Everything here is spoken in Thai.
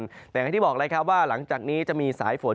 แต่อย่างที่บอกแล้วครับว่าหลังจากนี้จะมีสายฝน